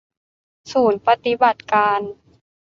ศูนย์ปฎิบัติการ